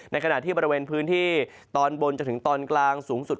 ขณะที่บริเวณพื้นที่ตอนบนจนถึงตอนกลางสูงสุด